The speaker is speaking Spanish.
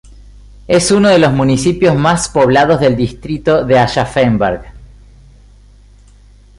Es uno de los municipios más poblados del distrito de Aschaffenburg.